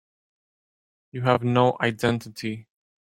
You have no identity.